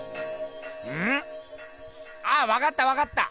うん？あっわかったわかった！